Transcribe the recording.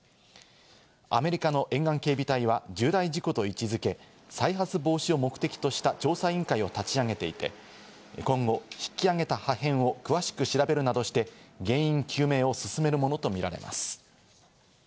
アメリカの沿岸警備隊は重大事故と位置付け、再発防止を目的とした調査委員会を立ち上げていて、今後、引き上げた破片を詳しく調べるなどして原因究明を進めるものとみられます。